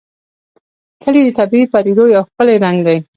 کلي د طبیعي پدیدو یو ښکلی رنګ دی.